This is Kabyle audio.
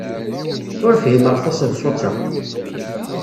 Ur fhimeɣ taseḍsut-a.